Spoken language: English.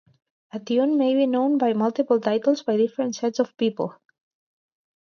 A tune may be known by multiple titles by different sets of people.